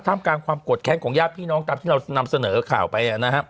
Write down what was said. ท่ามการความกดแค้นของย่าพี่น้องตามที่เรานำเสนอข่าวไปนะครับ